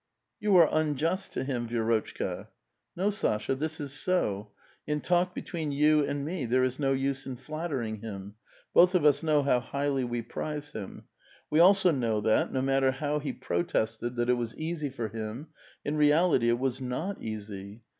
"You are unjust to him, Vi^rotchka." " No, Sasha ; this is so. In talk between you and me there is no use in flattering him. Both of us know how highly we prize him. We also know that, no matter how he pro tested that it was easy for him, in reality it was not eas^'.